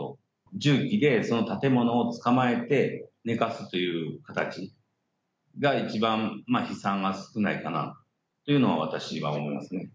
重機でその建物をつかまえて寝かすという形が一番飛散は少ないかなというのは、私は思うんですね。